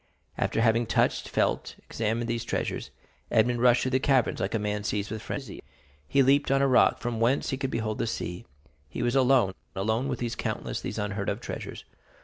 After having touched, felt, examined these treasures, Edmond rushed through the caverns like a man seized with frenzy; he leaped on a rock, from whence he could behold the sea. He was alone—alone with these countless, these unheard of treasures!